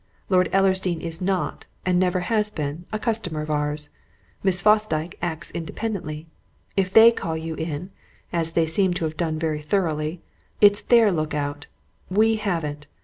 Lord Ellersdeane is not, and never has been, a customer of ours. Miss Fosdyke acts independently. If they call you in as they seem to have done very thoroughly it's their look out. We haven't!